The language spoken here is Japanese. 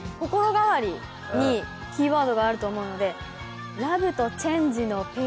にキーワードがあると思うので。